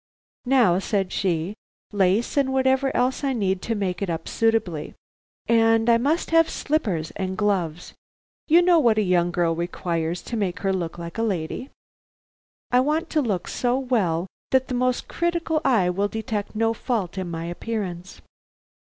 "Now," said she, "lace, and whatever else I need to make it up suitably. And I must have slippers and gloves. You know what a young girl requires to make her look like a lady. I want to look so well that the most critical eye will detect no fault in my appearance.